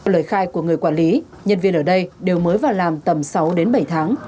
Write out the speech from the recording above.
lời khai của người quản lý nhân viên ở đây đều mới vào làm tầm sáu đến bảy tháng